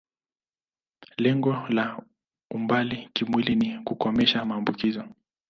Lengo la umbali kimwili ni kukomesha maambukizo.